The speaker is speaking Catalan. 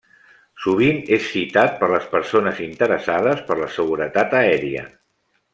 Sovint és citat per les persones interessades per la seguretat aèria.